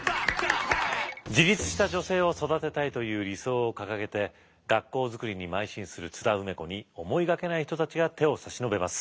自立した女性を育てたいという理想を掲げて学校作りにまい進する津田梅子に思いがけない人たちが手を差しのべます。